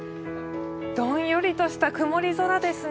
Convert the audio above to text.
どんよりとした曇り空ですね。